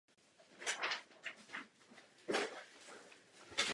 Byl známým a režiséry vyhledávaným filmovým hercem.